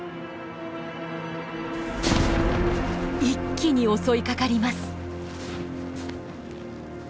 一気に襲いかかります。